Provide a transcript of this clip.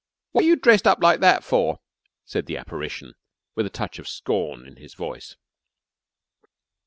"Wot you dressed up like that for?" said the apparition, with a touch of scorn in his voice.